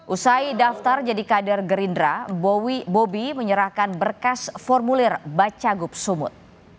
usai daftar jadi kader gerindra bobi menyerahkan berkas formulir bacagup sumut